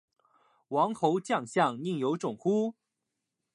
王侯将相，宁有种乎